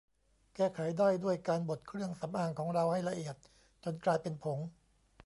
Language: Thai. แก้ไขได้ด้วยการบดเครื่องสำอางของเราให้ละเอียดจนกลายเป็นผง